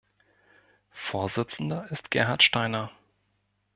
Vorsitzender ist Gerhard Steiner.